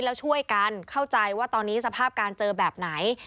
แล้วช่วยกันเข้าใจว่าตอนนี้สภาพการเจอแบบไหน